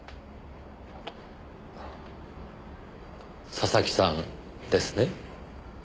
佐々木さんですね？